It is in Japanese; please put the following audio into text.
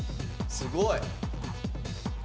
すごい！